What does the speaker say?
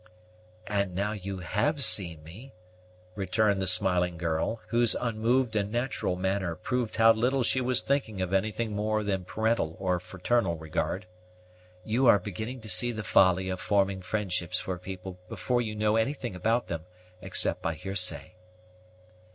"And now you have seen me," returned the smiling girl, whose unmoved and natural manner proved how little she was thinking of anything more than parental or fraternal regard, "you are beginning to see the folly of forming friendships for people before you know anything about them, except by hearsay."